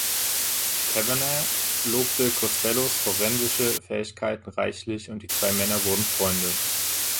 Kavanagh lobte Costellos forensische Fähigkeiten reichlich und die zwei Männer wurden Freunde.